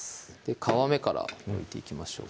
皮目から置いていきましょう